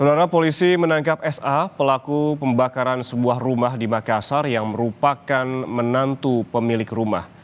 sebenarnya polisi menangkap sa pelaku pembakaran sebuah rumah di makassar yang merupakan menantu pemilik rumah